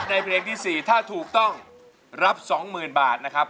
ในเพลงที่สี่ถ้าถูกต้องรับสองหมื่นบาทนะครับ